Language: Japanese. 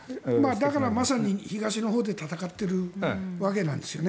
だからまさに東のほうで戦ってるわけなんですよね。